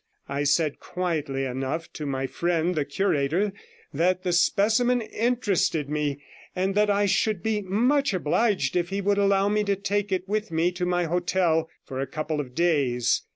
I said, quietly enough, to my friend the curator that the specimen interested me, and that I should be much obliged if he would allow me to take it with me to my hotel for a couple of days.